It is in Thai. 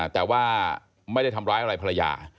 แต่ว่าไม่ได้ทำร้ายอะไรภรรยา